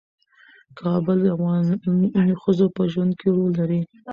کابل د افغان ښځو په ژوند کې رول لري.